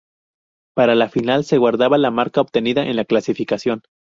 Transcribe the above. Para la final se guardaba la marca obtenida en la calificación.